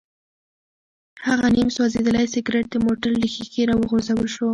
هغه نیم سوځېدلی سګرټ د موټر له ښیښې راوغورځول شو.